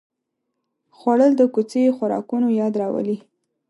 خوړل د کوڅې خوراکونو یاد راولي